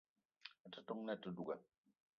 A te ton na àte duga